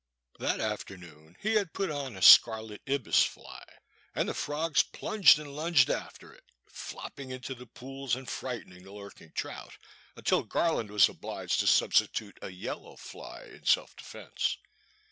That afternoon he had put on a scarlet ibis fly, and the frogs plunged and lunged after it, flopping into the pools and frightening the lurk ing trout until Garland was obliged to substitute a yellow fly in self defence.